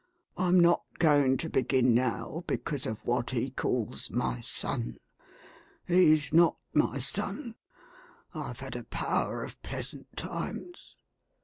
I'm not going to begin now, because of what he calls my son. He's not my son. I've had a power of pleasant times.